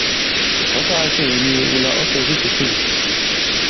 Ɔ̌ sāā cɛ ŋ̀yee wula ɔ̌ kɛ̀ i kisùkulù ?